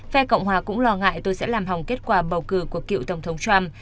phe cộng hòa cũng lo ngại tôi sẽ làm hỏng kết quả bầu cử của cựu tổng thống trump